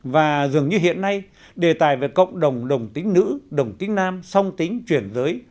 và dường như hiện nay đề tài về cộng đồng đồng tính nữ đồng tính nam song tính chuyển giới